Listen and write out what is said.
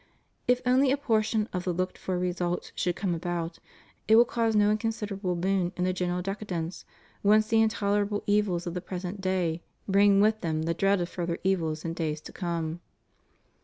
If only a portion of the looked for results should come about, it will cause no inconsiderable boon in the general decadence, when the intolerable evils of the present day bring with them the dread of further evils in days to come.